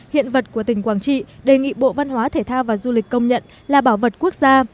hiện vật của tỉnh quảng trị đề nghị bộ văn hóa thể thao và du lịch công nhận là bảo vật quốc gia